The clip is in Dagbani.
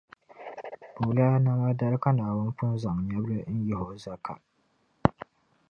Bulaa nama dali ka Naawuni pun zaŋ nyɛbili n-yihi o zaka.